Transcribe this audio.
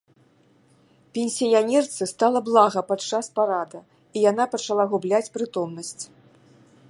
Пенсіянерцы стала блага падчас парада, і яна пачала губляць прытомнасць.